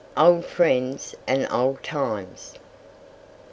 OLD FRIENDS AND OLD TIMES.